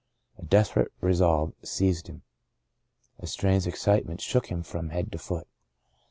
A desperate resolve seized him. A strange excitement shook him from head to foot.